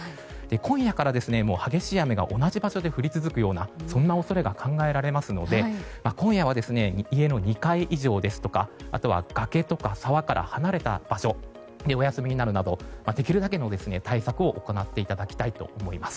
今夜から激しい雨が同じ場所で降り続くような恐れが考えられますので今夜は家の２階以上ですとか崖や沢から離れた場所でお休みなるなどできるだけの対策を行っていただきたいと思います。